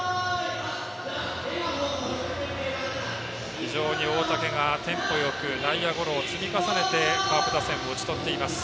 非常に大竹がテンポよく内野ゴロを積み重ねてカープ打線を打ち取っています。